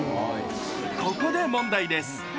ここで問題です。